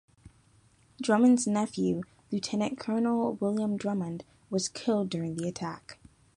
Drummond's nephew, Lieutenant Colonel William Drummond, was killed during the attack.